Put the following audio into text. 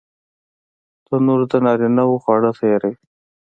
تنور د نارینه وو خواړه تیاروي